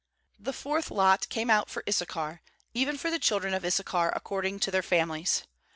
17The fourth lot came out for Issa char, even for the children of Issachar according to their families.